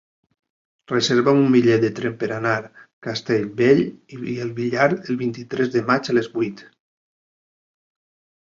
Reserva'm un bitllet de tren per anar a Castellbell i el Vilar el vint-i-tres de maig a les vuit.